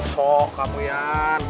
soh kak muyan